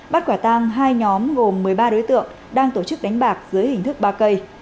bắt quả tang hai nhóm gồm một mươi ba đối tượng đang tổ chức đánh bạc dưới hình thức ba cây